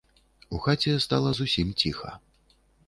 У хаце стала зусім ціха.